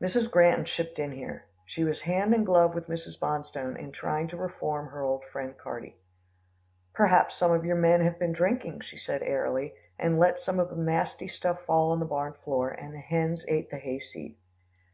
Mrs. Granton chipped in here. She was hand and glove with Mrs. Bonstone in trying to reform her old friend Carty. "Perhaps some of your men have been drinking," she said airily, "and let some of the nasty stuff fall on the barn floor, and the hens ate the hayseed."